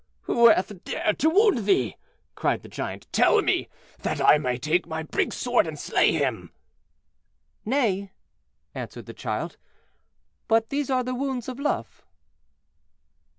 "Who hath dared to wound thee?" cried the Giant; "tell me, that I may take my big sword and slay him." "Nay!" answered the child; "but these are the wounds of Love."